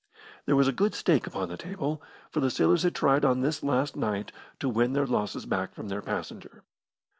There was a good stake upon the table, for the sailors had tried on this last night to win their losses back from their passenger.